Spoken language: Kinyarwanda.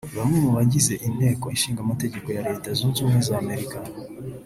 Bamwe mu bagize inteko ishingamategeko ya Leta Zunze Ubumwe z’Amerika